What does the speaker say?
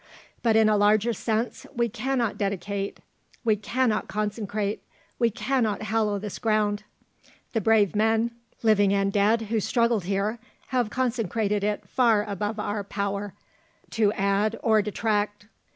But in a larger sense we cannot dedicate we cannot consecrate we cannot hallow this ground. The brave men, living and dead, who struggled here, have consecrated it far above our power to add or detract.